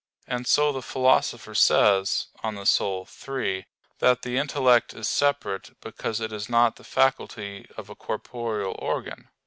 And so the Philosopher says (De Anima iii) that the intellect is separate, because it is not the faculty of a corporeal organ.